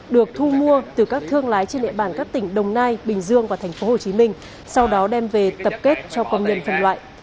được thu mua từ các thương lái trên địa bàn các tỉnh đồng nai bình dương và tp hcm sau đó đem về tập kết cho công nhân phân loại